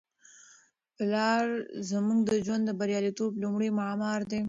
پلار زموږ د ژوند د بریالیتوبونو لومړی معمار دی.